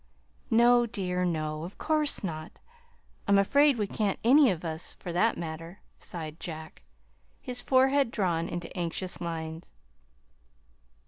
"No, dear, no; of course not! I'm afraid we can't any of us, for that matter," sighed Jack, his forehead drawn into anxious lines.